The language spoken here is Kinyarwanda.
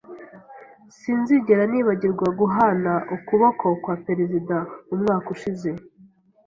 Sinzigera nibagirwa guhana ukuboko kwa Perezida umwaka ushize